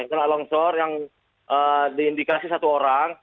kena longsor yang diindikasi satu orang